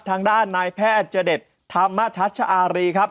ทางด้านนายแพทย์เจดธรรมทัชอารีครับ